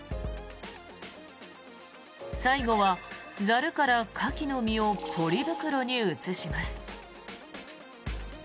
最後はザルからカキの身をポリ袋に移します。